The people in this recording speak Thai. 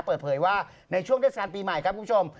เปิดเผยว่าในช่วงเทศกาลปีใหม่ครับคุณผู้ชม